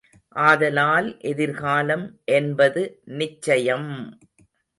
ஆதலால் எதிர்காலம் என்பது நிச்சயம்!